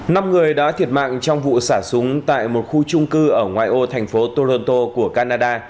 năm người đã thiệt mạng trong vụ xả súng tại một khu trung cư ở ngoài ô thành phố toronto của canada